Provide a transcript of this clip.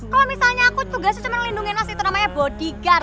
kalau misalnya aku tugasnya cuma lindungi mas itu namanya body guard